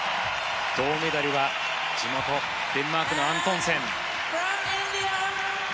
銅メダルは地元デンマークのアントンセン。